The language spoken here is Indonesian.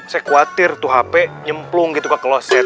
saya khawatir tuh hp nyemplung gitu ke kloset